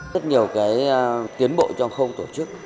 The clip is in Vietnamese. rất nhiều tiến bộ trong khâu tổ chức